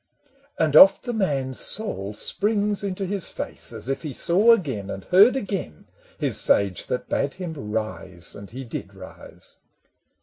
And oft the man's soul springs into his face As if he saw again and heard again His sage that bade him " Rise " and he did rise.